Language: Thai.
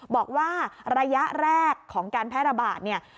บอกว่าระยะแรกของการแพร่ระบาดเนี่ย